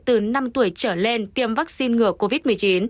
từ năm tuổi trở lên tiêm vaccine ngừa covid một mươi chín